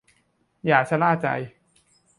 อย่าชะล่าใจ